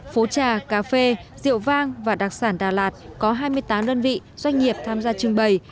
phố trà cà phê rượu vang và đặc sản đà lạt có hai mươi tám đơn vị doanh nghiệp tham gia trưng bày